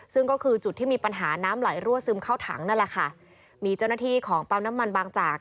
ซึ่งก็คือจุดที่มีปัญหาน้ำไหลรั่วซึมเข้าถังนั่นแหละค่ะมีเจ้าหน้าที่ของปั๊มน้ำมันบางจาก